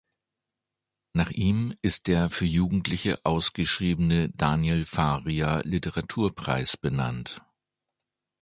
Nach ihm ist der für Jugendliche ausgeschriebene Daniel-Faria-Literaturpreis benannt.